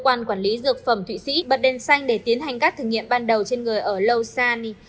cơ quan quản lý dược phẩm thụy sĩ bật đèn xanh để tiến hành các thử nghiệm ban đầu trên người ở lau sani